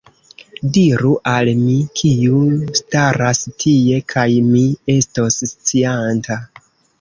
Diru al mi, kiu staras tie, kaj mi estos scianta.